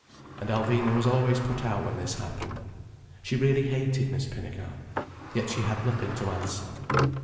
And Alvina was always put out when this happened. She really hated Miss Pinnegar. Yet she had nothing to answer.